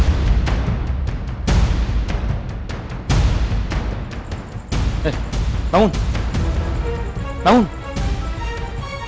tidak ada yang bisa dihukum